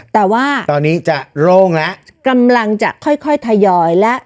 แต่ว่าตอนนี้จะโล่งแล้วกำลังจะค่อยค่อยทยอยแล้ว